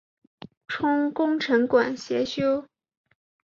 充功臣馆协修。